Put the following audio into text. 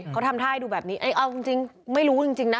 เขาทำท่าให้ดูแบบนี้เอาจริงไม่รู้จริงนะ